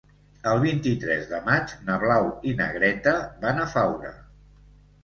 El vint-i-tres de maig na Blau i na Greta van a Faura.